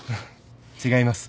違います。